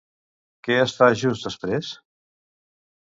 Què es fa, just després?